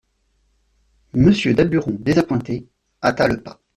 Monsieur Daburon, désappointé, hâta le pas.